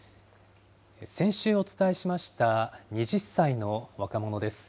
先週お伝えしました２０歳の若者です。